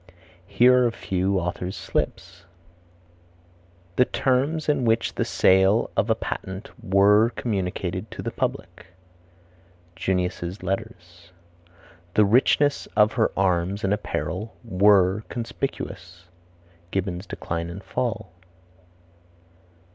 Here are a few authors' slips: "The terms in which the sale of a patent were communicated to the public." Junius's Letters. "The richness of her arms and apparel were conspicuous." Gibbon's Decline and Fall.